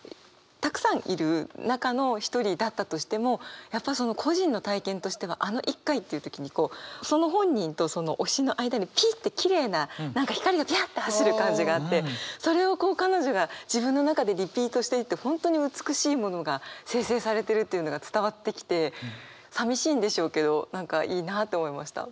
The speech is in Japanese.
たくさんいる中の一人だったとしてもやっぱ個人の体験としてはあの１回っていう時にその本人と推しの間にピッてきれいな何か光がびゃって走る感じがあってそれをこう彼女が自分の中でリピートしていて本当に美しいものが生成されてるっていうのが伝わってきてさみしいんでしょうけど何かいいなあと思いました。